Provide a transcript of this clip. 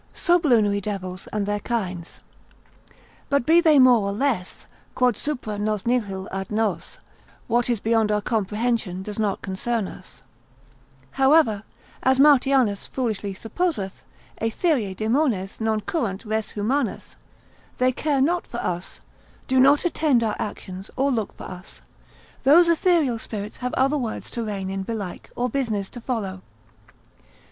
Sublunary devils, and their kinds.] But be they more or less, Quod supra nos nihil ad nos (what is beyond our comprehension does not concern us). Howsoever as Martianus foolishly supposeth, Aetherii Daemones non curant res humanas, they care not for us, do not attend our actions, or look for us, those ethereal spirits have other worlds to reign in belike or business to follow.